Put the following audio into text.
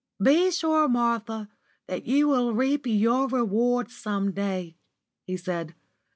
"Be sure, Martha, that you will reap your reward some day," he said.